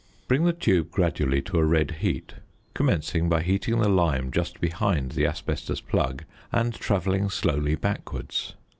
Bring the tube gradually to a red heat, commencing by heating the lime just behind the asbestos plug, and travelling slowly backwards.